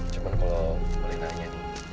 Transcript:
cuma kalau boleh tanya